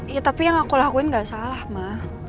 ya tapi yang aku lakuin gak salah mah